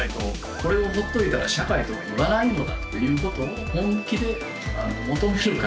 これをほっといたら社会とは言わないのだということを本気で求めるか。